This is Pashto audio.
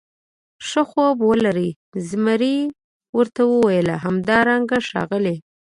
ښه خوب ولرې، زمري ورته وویل: همدارنګه ښاغلی.